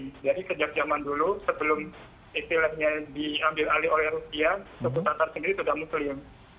jadi sejak zaman dulu sebelum istilahnya diambil alih oleh rusia suku tatar sendiri sudah muslim